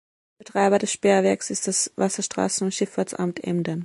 Betreiber des Sperrwerks ist das Wasserstraßen- und Schifffahrtsamt Emden.